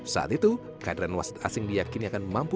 saat itu kaderan wasit asing diyakini akan mampu